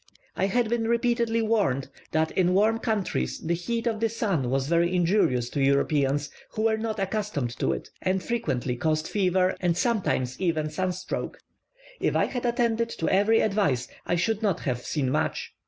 I had been repeatedly warned that in warm countries the heat of the sun was very injurious to Europeans who were not accustomed to it, and frequently caused fever and sometimes even sun stroke. If I had attended to every advice, I should not have seen much.